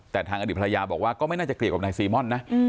แต่ทางอดีตภรรยาบอกว่าก็ไม่น่าจะเกี่ยวกับนายซีม่อนนะ